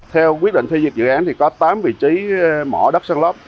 theo quyết định phê duyệt dự án thì có tám vị trí mỏ đất săn lấp